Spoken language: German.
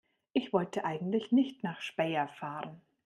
Ich wollte eigentlich nicht nach Speyer fahren